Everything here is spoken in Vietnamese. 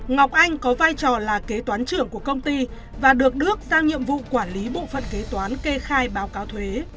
ngọc anh có vai trò là kế toán trưởng của công ty và được đức giao nhiệm vụ quản lý bộ phận kế toán kê khai báo cáo thuế